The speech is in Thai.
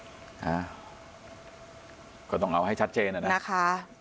อ่าก็ต้องเอาให้ชัดเจนอะนะนะคะ